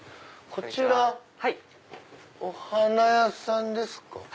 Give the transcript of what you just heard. こちらお花屋さんですか？